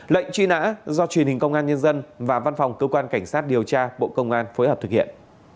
lệnh truy nã do truyền hình công an nhân dân và văn phòng cơ quan cảnh sát điều tra bộ công an phối hợp thực hiện